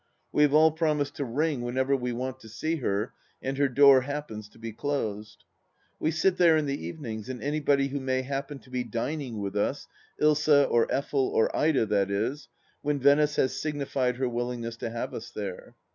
We have all promised to ring whenever we want to see her and her door happens to be closed. We sit there in the evenings, and anybody who may happen to be dining with us— Ilsa or Effel or Ida, that is— when Venice has signified her willingness to have us there.